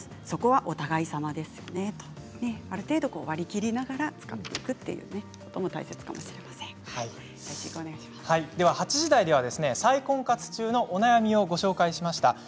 そこはお互い様ですねとある程度割り切りながら使っていくということも８時台では再婚活中のお悩みをご紹介しました。